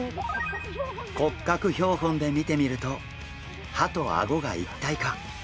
骨格標本で見てみると歯とあごが一体化！